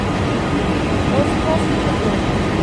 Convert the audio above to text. It was crossed with a bridge.